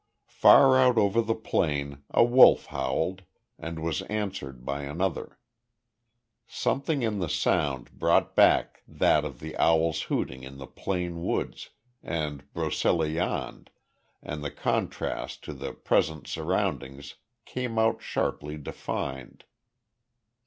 Far out over the plain a wolf howled, and was answered by another. Something in the sound brought back that of the owls hooting in the Plane woods, and "Broceliande," and the contrast to the present surroundings came out sharply defined.